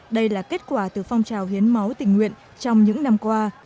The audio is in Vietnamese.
đây là kết quả từ phong trào hiến máu tình nguyện trong những năm qua